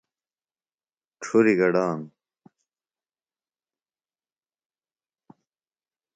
ڇُھریۡ گڈانوۡ۔